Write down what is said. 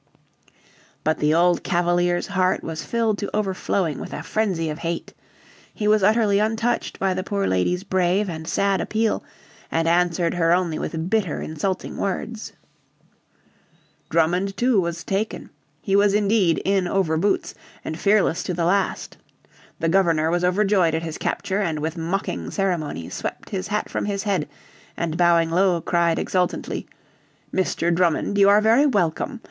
But the old Cavalier's heart was filled to overflowing with a frenzy of hate. He was utterly untouched by the poor lady's brave and sad appeal, and answered her only with bitter, insulting words. Drummond too was taken. He was indeed "in over boots" and fearless to the last. The Governor was overjoyed at his capture, and with mocking ceremony swept his hat from his head, and, bowing low, cried exultantly, "Mr. Drummond, you are very welcome.